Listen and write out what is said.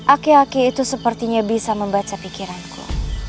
aki aki itu sepertinya bisa membaca pikiranku